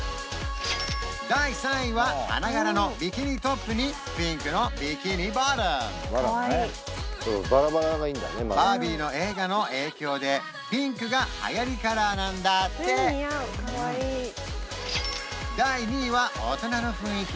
第３位は花柄のビキニトップにピンクのビキニボトム「バービー」の映画の影響でピンクが流行りカラーなんだって第２位は大人の雰囲気